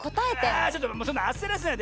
あちょっとそんなあせらせないで！